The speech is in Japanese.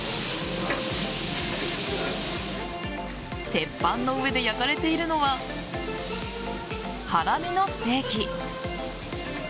鉄板の上で焼かれているのはハラミのステーキ。